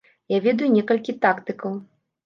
Я ведаю некалькі тактыкаў.